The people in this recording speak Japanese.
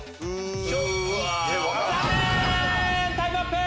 残念タイムアップ！